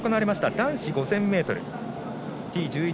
男子５０００ｍＴ１１